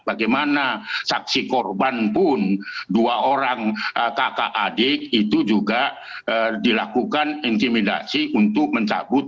bagaimana saksi korban pun dua orang kakak adik itu juga dilakukan intimidasi untuk mencabut